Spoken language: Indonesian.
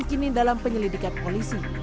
dikini dalam penyelidikan polisi